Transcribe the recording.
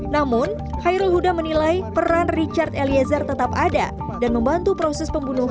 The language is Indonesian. namun khairul huda mengatakan bahwa richard eliezer merupakan terdakwa justice kolaborator dan membuka skenario fakta selama persidangan